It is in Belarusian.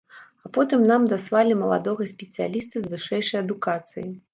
А потым нам даслалі маладога спецыяліста з вышэйшай адукацыяй.